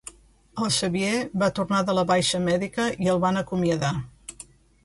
El Xavier va tornar de la baixa mèdica i el van acomiadar